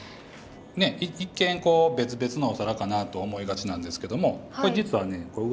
一見こう別々のお皿かなと思いがちなんですけどもこれ実はね裏返して頂くと。